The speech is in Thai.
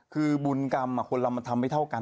คือบุญกรรมคนเรามันทำไม่เท่ากัน